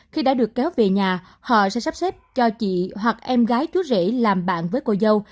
khi đã được kéo về nhà họ sẽ sắp xếp cho chị hoặc em gái chú rể làm bạn với cô dâu